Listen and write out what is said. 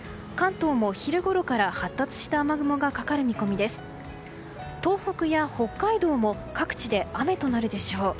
東北や北海道も各地で雨となるでしょう。